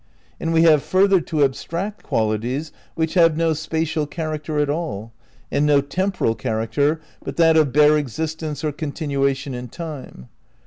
And we have further to abstract qualities which have no spatial character at all, and no temporal char acter but that of bare existence or continuation in time.